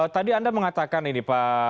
tadi anda mengatakan ini pak